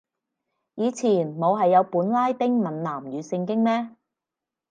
以前冇係有本拉丁閩南語聖經咩